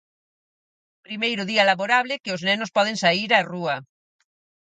Primeiro día laborable que os nenos poden saír á rúa.